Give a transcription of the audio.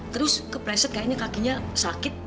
terus kepleset kayaknya kakinya sakit